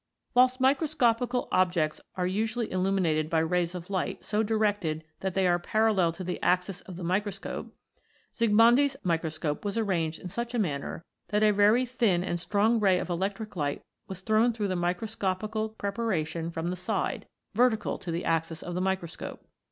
Whilst microscopical objects are usually illumi nated by rays of light so directed that they are parallel to the axis of the microscope, Zsigmondy's microscope was arranged in such a manner that a very thin and strong ray of electric light was thrown through the microscopical preparation from the side, vertical to the axis of the micro scope.